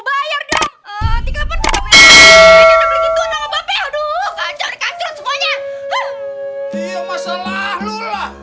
bayar dong tiga pun tidak begitu enak mbak peh aduh kacau kacau semuanya dia masalah lulah